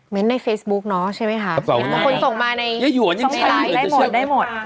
เม้นต์ในเฟซบุ๊กเนาะใช่ไหมคะคนส่งมาในช่องไข่ได้หมดได้หมด